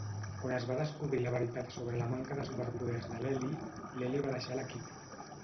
Quan es va descobrir la veritat sobre la manca de superpoders de l'Eli, l'Eli va deixar l'equip.